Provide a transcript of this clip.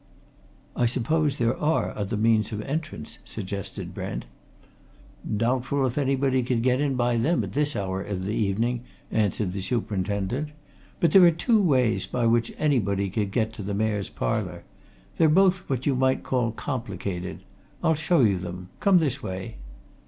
"I suppose there are other means of entrance?" suggested Brent. "Doubtful if anybody could get in by them at this hour of the evening," answered the superintendent. "But there are two ways by which anybody could get to the Mayor's Parlour. They're both what you might call complicated. I'll show you them. Come this way."